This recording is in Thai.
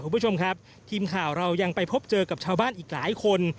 คุณผู้ชมครับทีมข่าวเรายังไปพบเจอกับชาวบ้านอีกหลายคน